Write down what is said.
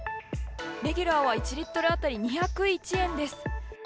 レギュラーは１リットル当たり２０１円です。